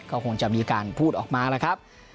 ก็คงจะมีการพูดออกมาแล้วครับ